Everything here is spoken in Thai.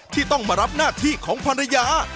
ที่ต้องมารับหน้าที่ของภรรยา